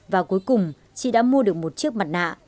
và cuối cùng chị đã mua được một chiếc mặt nạ